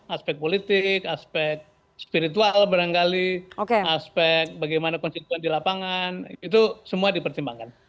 aspek politik aspek spiritual barangkali aspek bagaimana konstituen di lapangan itu semua dipertimbangkan